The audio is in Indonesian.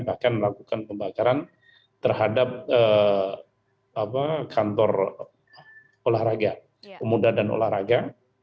bahkan melakukan pembakaran terhadap kantor olahraga pemuda dan olahraga